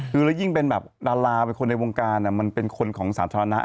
คือแล้วยิ่งเป็นแบบดาราเป็นคนในวงการมันเป็นคนของสาธารณะ